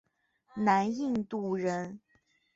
南印度人。